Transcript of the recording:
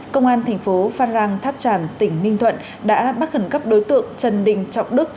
công an thành phố phan rang tháp tràm tỉnh ninh thuận đã bắt khẩn cấp đối tượng trần đình trọng đức